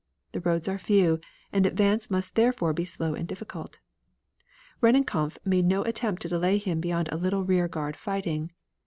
The roads are few, and advance must therefore be slow and difficult. Rennenkampf made no attempt to delay him beyond a little rear guard fighting.